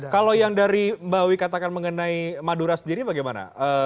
kalau yang dari mbak wi katakan mengenai madura sendiri bagaimana